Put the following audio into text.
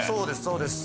そうです